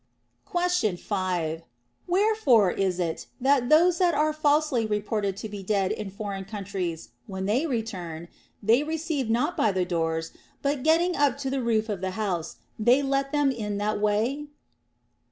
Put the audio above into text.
Question 5. Wherefore is it that those that are falsely reported to be dead in foreign countries, when they return, they receive not by the doors, but getting up to the roof of the house, they let them in that way